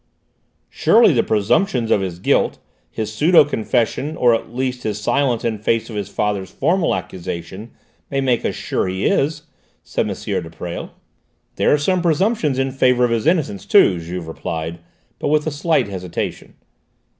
"Surely the presumptions of his guilt, his pseudo confession, or at least his silence in face of his father's formal accusation, may make us sure he is," said M. de Presles. "There are some presumptions in favour of his innocence too," Juve replied, but with a slight hesitation.